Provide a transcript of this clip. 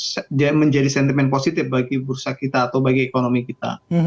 jadi itu akan menjadi sentimen positif bagi bursa kita atau bagi ekonomi kita